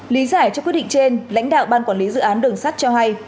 lý giải cho quyết định trên lãnh đạo ban quản lý dự án đường sắt cho hay